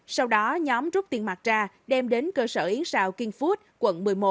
sau đó nhóm rút tiền mặt ra đem đến cơ sở yến rào king food quận một mươi một